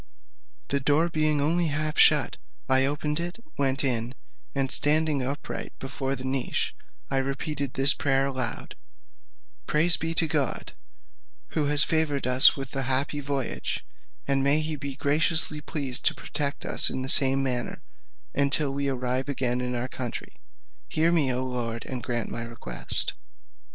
The door being only half shut, I opened it, went in, and standing upright before the niche, I repeated this prayer aloud: "Praise be to God, who has favoured us with a happy voyage, and may he be graciously pleased to protect us in the same manner, until we arrive again in our own country. Hear me, O Lord, and grant my request."